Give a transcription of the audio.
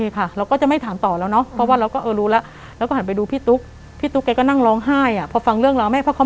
พี่ตุ๊กแจ้มลองห้ายพ่อฟังเรื่องราววันนี้